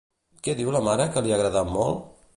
Què diu la mare que li ha agradat molt?